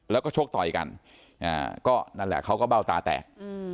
แล้วก็ชกต่อยกันก็นั่นแหละเขาก็เบ้าตาแตก